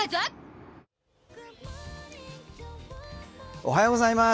おはようございます。